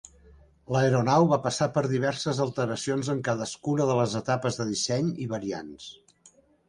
L'aeronau va passar per diverses alteracions en cadascuna de les etapes de disseny i variants.